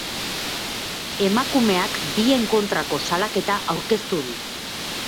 Emakumeak bien kontrako salaketa aurkeztu du.